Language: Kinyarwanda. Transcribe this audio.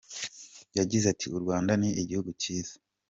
Yagize ati “U Rwanda ni igihugu cyiza.